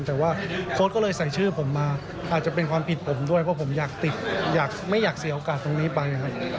แต่ว่าโค้ดก็เลยใส่ชื่อผมมาอาจจะเป็นความผิดผมด้วยเพราะผมอยากติดอยากไม่อยากเสียโอกาสตรงนี้ไปนะครับ